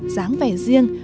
dáng vẻ riêng